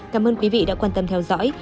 cảm ơn quý vị đã quan tâm theo dõi